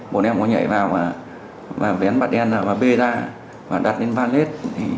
bọn em có nhảy vào và vén bạc đen ra và bê ra và đặt lên bà lết